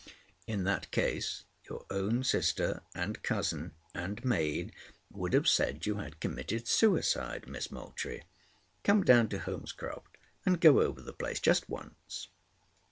"In that case your own sister and cousin and maid would have said you had committed suicide, Miss Moultrie. Come down to Holmescroft, and go over the place just once."